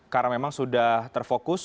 karena memang sudah terfokus